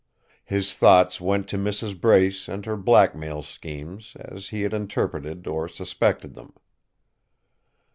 His thoughts went to Mrs. Brace and her blackmail schemes, as he had interpreted or suspected them.